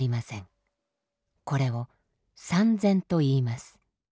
これを参禅といいます。